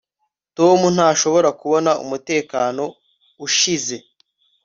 tom ntashobora kubona umutekano ushize